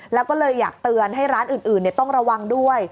แล้วก็เลยอยากเตือนให้ร้านอื่นต้องระวังด้วย